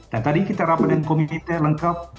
dan tadi kita rapatkan komite lengkap